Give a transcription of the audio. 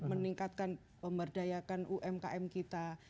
meningkatkan pemberdayakan umkm kita